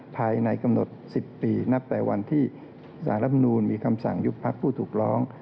ภายในกำหนด๑๐ปีนับแต่วันที่สารรัฐมนูลมีคำสั่งยุบพักผู้ถูกร้อง